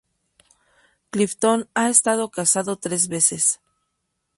Clifton ha estado casado tres veces.